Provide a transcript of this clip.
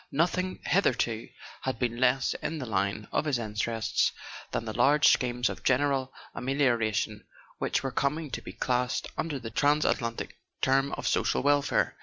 Nothing hitherto had been less in the line of his interests than the large schemes of general amelioration which were coming to be classed under the transatlantic term of "Social Welfare."